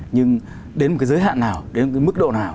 nhưng đến một cái giới hạn nào đến cái mức độ nào